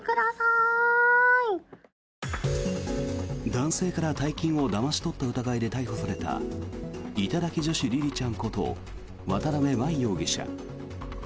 男性から大金をだまし取った疑いで逮捕された頂き女子りりちゃんこと渡邊真衣容疑者。